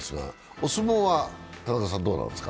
お相撲は田中さんどうなんですか？